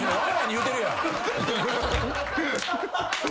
言うてるやん。